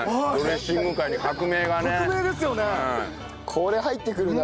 これ入ってくるな。